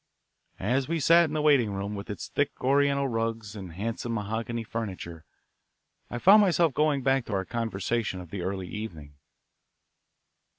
As we sat in the waiting room with its thick Oriental rugs and handsome mahogany furniture, I found myself going back to our conversation of the early evening.